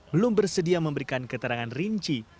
belum bersedia memberikan keterangan rinci